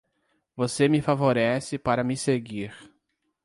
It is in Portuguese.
Você me favorece para me seguir.